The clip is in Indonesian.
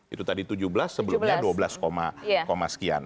itu tadi tujuh belas sebelumnya dua belas sekian